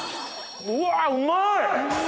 うわうまい！